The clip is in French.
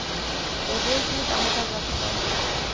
Ils résident à Madagascar.